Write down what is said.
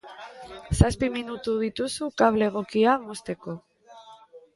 Zazpi minutu dituzu kable egokia mozteko.